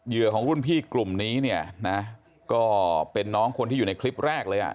ของรุ่นพี่กลุ่มนี้เนี่ยนะก็เป็นน้องคนที่อยู่ในคลิปแรกเลยอ่ะ